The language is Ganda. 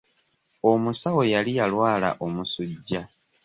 Omusawo yali yalwala omusujja.